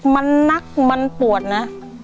มันนักมันปวดนะ